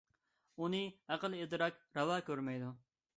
ئۇنى ئەقىل - ئىدراك راۋا كۆرمەيدۇ.